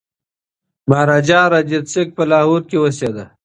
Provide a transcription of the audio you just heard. مهاراجا رنجیت سنګ په لاهور کي اوسېده.